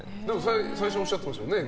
最初おっしゃってましたよね。